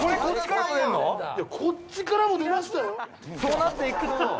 「これこっちからも出るの？」